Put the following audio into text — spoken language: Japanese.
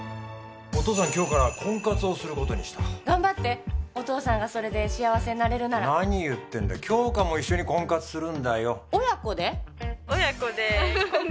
お父さん今日から婚活をすることにした頑張ってお父さんがそれで幸せになれるなら何言ってんだ杏花も一緒に婚活するんだよ親子で？